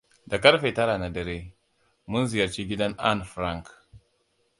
Da karfe tara na dare, mun ziyarci gidan Anne Frank.